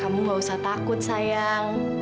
kamu gak usah takut sayang